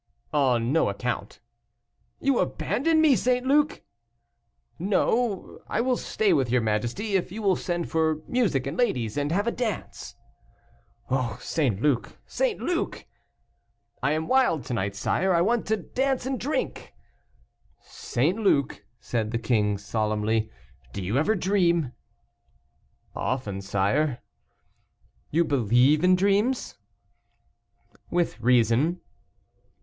"On no account." "You abandon me, St. Luc!" "No, I will stay with your majesty, if you will send for music and ladies, and have a dance." "Oh, St. Luc, St. Luc!" "I am wild to night, sire, I want to dance and drink." "St. Luc," said the king, solemnly, "do you ever dream?" "Often, sire." "You believe in dreams?" "With reason."